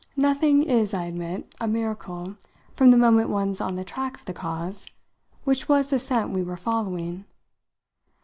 Nothing is, I admit, a miracle from the moment one's on the track of the cause, which was the scent we were following.